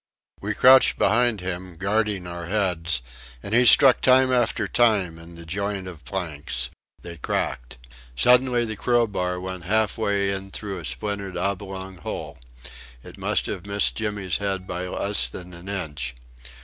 We crouched behind him, guarding our heads, and he struck time after time in the joint of planks. They cracked. Suddenly the crowbar went halfway in through a splintered oblong hole. It must have missed Jimmy's head by less than an inch.